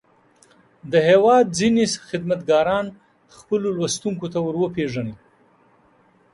د هېواد ځينې خدمتګاران خپلو لوستونکو ته ور وپېژني.